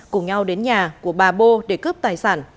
cùng nhau đến nhà của bà bô để cướp tài sản